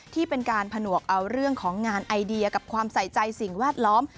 ที่เป็นการผนวกเอาเรื่องของงานไอเดียกับความใส่ใจสิ่งแวดล้อม